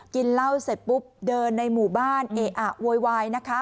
กินเหล้าเสร็จปุ๊บเดินในหมู่บ้านเออะโวยวายนะคะ